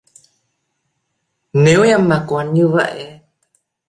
Nếu em mà còn như vậy